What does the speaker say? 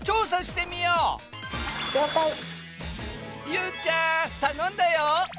ゆうちゃん頼んだよ！